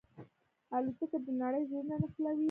الوتکه د نړۍ زړونه نښلوي.